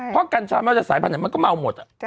เพราะกัญชามันจะสายพันธุ์ไหนมันก็เมาหมด